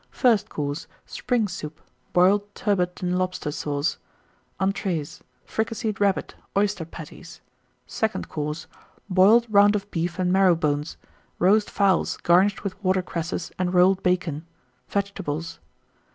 FIRST COURSE. Spring Soup. Boiled Turbot and Lobster Sauce. ENTREES. Fricasseed Rabbit. Oyster Patties. SECOND COURSE. Boiled Round of Beef and Marrow bones. Roast Fowls, garnished with Water cresses and rolled Bacon. Vegetables.